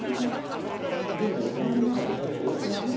でもお部屋の中でやる人が多くない？